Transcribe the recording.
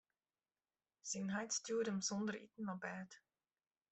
Syn heit stjoerde him sûnder iten op bêd.